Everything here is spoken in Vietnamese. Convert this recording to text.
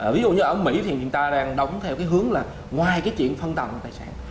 ví dụ như ở mỹ thì người ta đang đóng theo cái hướng là ngoài cái chuyện phân tàu tài sản